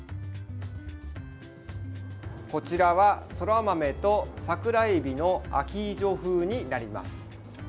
こちらは、そら豆と桜えびのアヒージョ風になります。